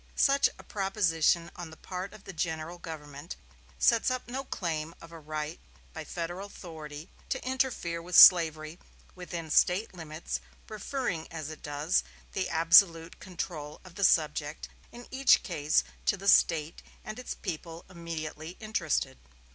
Such a proposition on the part of the general government sets up no claim of a right by Federal authority to interfere with slavery within State limits, referring, as it does, the absolute control of the subject in each case to the State and its people immediately interested.